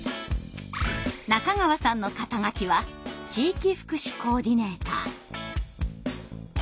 中川さんの肩書は地域福祉コーディネーター。